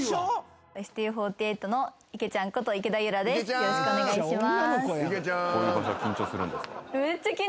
よろしくお願いします。